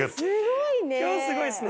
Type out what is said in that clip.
すごいね。